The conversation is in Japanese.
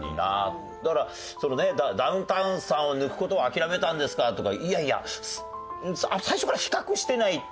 だからそのねダウンタウンさんを抜く事を諦めたんですかとかいやいや最初から比較してない。